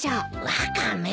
ワカメ。